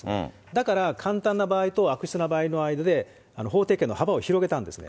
だから簡単な場合と、悪質な場合の間で、法廷刑の幅を広げたんですね。